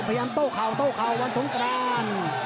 พยั้งโตเข่าวันสงกราน